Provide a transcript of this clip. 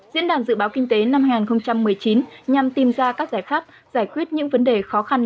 diễn đàn dự báo kinh tế năm hai nghìn một mươi chín nhằm tìm ra các giải pháp giải quyết những vấn đề khó khăn